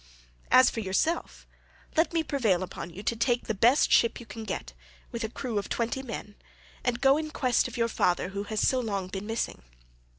As for yourself, let me prevail upon you to take the best ship you can get, with a crew of twenty men, and go in quest of your father who has so long been missing.